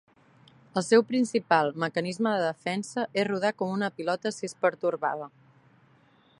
El seu principal mecanisme de defensa és rodar com una pilota si és pertorbada.